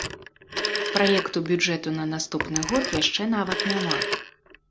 Праекту бюджэту на наступны год яшчэ нават няма.